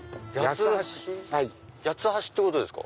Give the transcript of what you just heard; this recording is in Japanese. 八つ橋ってことですか？